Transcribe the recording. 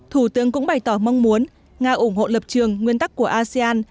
thủ tướng cũng bày tỏ mong muốn nga ủng hộ lập trường nguyên tắc của asean